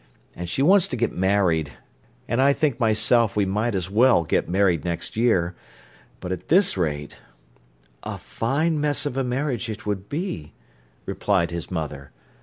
And she wants to get married, and I think myself we might as well get married next year. But at this rate—" "A fine mess of a marriage it would be," replied his mother.